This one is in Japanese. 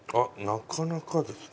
なかなかですね。